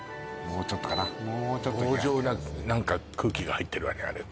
もうちょっと強情な空気が入ってるわね